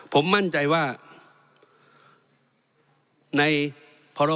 ผมมั่นใจว่าในพร